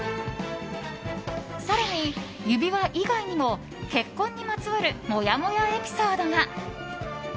更に、指輪以外にも結婚にまつわるモヤモヤエピソードが。